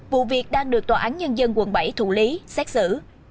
vụ việc đang được tòa án nhân dân quận bảy thủ lý xét xử